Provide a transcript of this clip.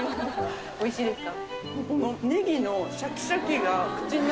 おいしいですか？